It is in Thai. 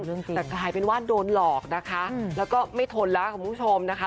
แต่กลายเป็นว่าโดนหลอกนะคะแล้วก็ไม่ทนแล้วคุณผู้ชมนะคะ